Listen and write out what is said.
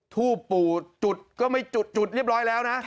ทูบปู่จุดก็ไม่จุดจุดเรียบร้อยแล้วนะ